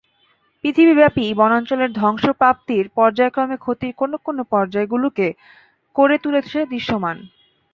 পৃথিবীব্যাপী বনাঞ্চলের ধ্বংস প্রাপ্তির পর্যায়ক্রম ক্ষতির কোন কোন পর্যায়গুলোকে করে তুলেছে দৃশ্যমান।